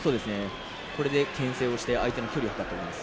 これでけん制して相手との距離を測っています。